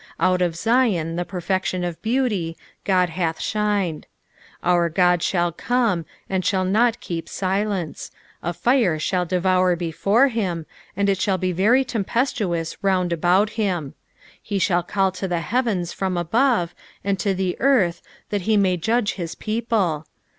2 Out of Zion, the perfection of beauty, God hath shined. 3 Our God shall come, and shall not keep silence : a fire shall devour before him, and it shall be very tempestuous round about him, 4 He shall call to the heavens from above, and to the earth, that he may judge his people.